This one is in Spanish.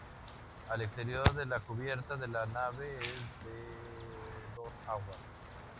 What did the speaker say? Al exterior la cubierta de la nave es a dos aguas.